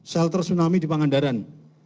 shelter tsunami di pangandaran